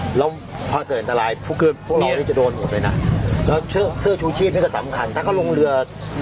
พอพลังไปพอเกิดอันตรายสหวังว่านี้มันโดนหมดเลยนะ